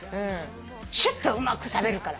シュッとうまく食べるから。